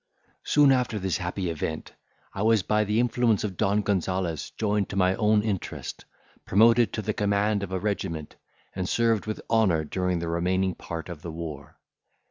Soon after this happy event, I was, by the influence of Don Gonzales, joined to my own interest, promoted to the command of a regiment, and served with honour during the remaining part of the war.